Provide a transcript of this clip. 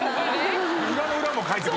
裏の裏もかいてくる。